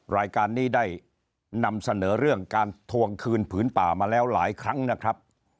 รายการนี้ได้นำเสนอเรื่องการทวงคืนผืนป่ามาแล้วหลายครั้งนะครับ